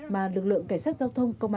mà lực lượng cảnh sát giao thông đã tìm ra